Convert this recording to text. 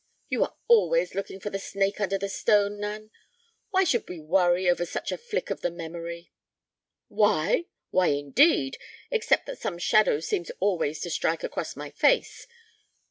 "You are always looking for the snake under the stone, Nan. Why should we worry over such a flick of the memory?" "Why? Why, indeed! Except that some shadow seems always to strike across my face.